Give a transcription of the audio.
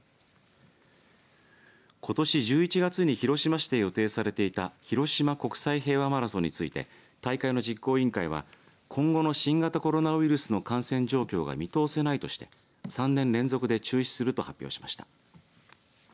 ことし１１月に広島市で予定されていたひろしま国際平和マラソンについて大会の実行委員会は今後の新型コロナウイルスの感染状況が見通せないとして３年連続で中止すると発表しました。